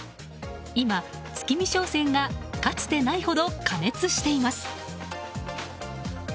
今、月見商戦がかつてないほど過熱しています。